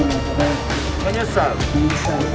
tapi banyak kali